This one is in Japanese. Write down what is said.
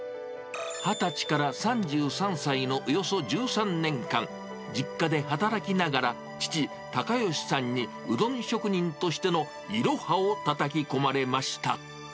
２０歳から３３歳のおよそ１３年間、実家で働きながら、父、隆美さんにうどん職人としてのいろはをたたき込まれました。